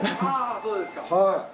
そうですか。